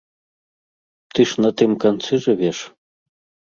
Ты ж на тым канцы жывеш?